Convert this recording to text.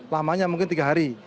lamanya mungkin tiga hari